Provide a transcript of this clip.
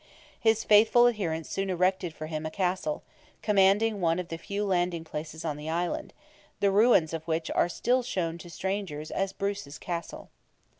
His faithful adherents soon erected for him a castle, commanding one of the few landing places on the island, the ruins of which are still shown to strangers as "Bruce's Castle."